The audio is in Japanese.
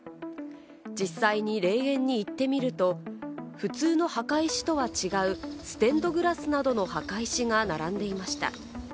実際に霊園に行ってみると、普通の墓石とは違う、ステンドグラスなどの墓石が並んでいました。